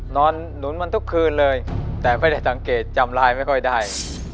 หนุนมันทุกคืนเลยแต่ไม่ได้สังเกตจำไลน์ไม่ค่อยได้